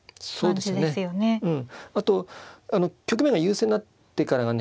あと局面が優勢になってからがね